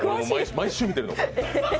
毎週、見てるの。